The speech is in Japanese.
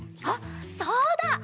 あっそうだ！